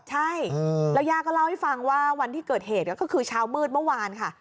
ใช่แล้วย่าก็เล่าให้ฟังว่าวันที่เกิดเหตุก็คือเช้ามืดเมื่อวานค่ะ